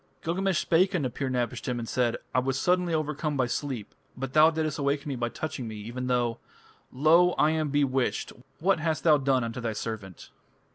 Gilgamesh spake unto Pir napishtim and said: "I was suddenly overcome by sleep.... But thou didst awaken me by touching me, even thou.... Lo! I am bewitched. What hast thou done unto thy servant?"